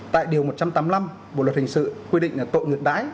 tại điều một trăm tám mươi năm bộ luật hình sự quy định là tội ngược đái